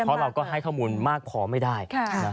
เพราะเราก็ให้ข้อมูลมากพอไม่ได้